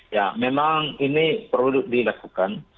ya memang ini perlu dilakukan